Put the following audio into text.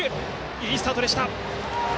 いいスタートでした。